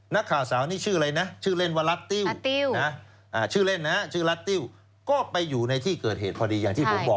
นักข่าวสาวนี่ชื่ออะไรนะชื่อเล่นว่ารัฐติ้วติ้วนะชื่อเล่นนะชื่อรัฐติ้วก็ไปอยู่ในที่เกิดเหตุพอดีอย่างที่ผมบอก